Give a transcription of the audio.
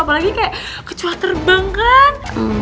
apalagi kayak kecuali terbang kan